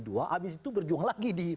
nah abis itu berjuang lagi